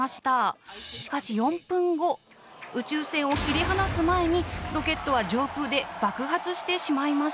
しかし４分後宇宙船を切り離す前にロケットは上空で爆発してしまいました。